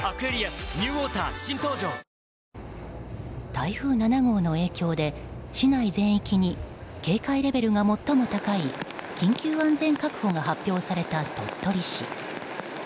台風７号の影響で、市内全域に警戒レベルが最も高い緊急安全確保が発表された鳥取市。